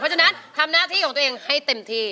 เพราะฉะนั้นทำหน้าที่ของตัวเองให้เต็มที่